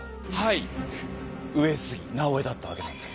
上杉・直江だったわけなんです。